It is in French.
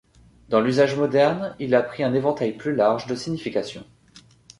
Dans l'usage moderne, il a pris un éventail plus large de significations.